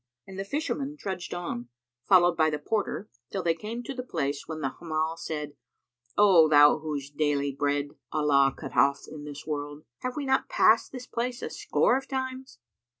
And the Fisherman trudged on, followed by the porter, till they came to the place when the Hammal said, "O thou whose daily bread Allah cut off in this world, have we not passed this place a score of times?